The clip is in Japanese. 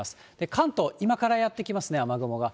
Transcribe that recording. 関東、今からやって来ますね、雨雲が。